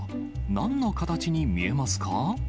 なんの形に見えますか？